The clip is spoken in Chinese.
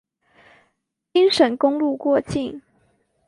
京沈公路过境。